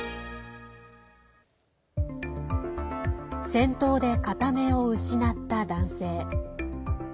戦闘で片目を失った男性。